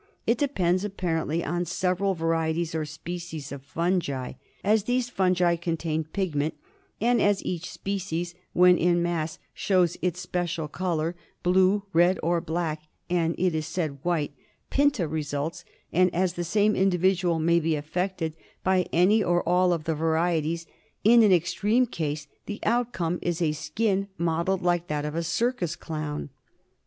It depends, apparently, on several varieties or species of fungi. As these fungi contain pigment, and as each species when in mass shows its special colour, blue, red, or black (and it is said white), Pinta results; and as the same individual may be affected by any or all of the varieties, in an extreme case the outcome is a skin mottled like that of a circus clown.